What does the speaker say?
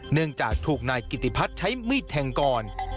เนื่องจากถูกนายกิติพัฒน์ใช้มีดแทงก่อน